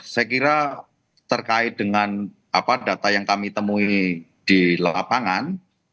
saya kira terkait dengan data yang kami temui di lapangan